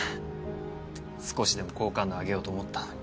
少しでも好感度上げようと思ったのに。